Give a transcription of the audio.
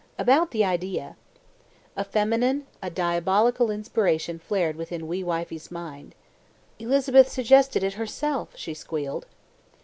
About the idea " A feminine, a diabolical inspiration flared within wee wifie's mind. "Elizabeth suggested it herself," she squealed.